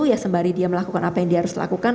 ya sembari dia melakukan apa yang dia harus lakukan